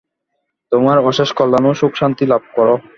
তোমরা অশেষ কল্যাণ ও সুখশান্তি লাভ কর।